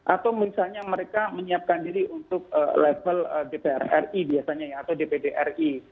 atau misalnya mereka menyiapkan diri untuk level dpr ri biasanya ya atau dpd ri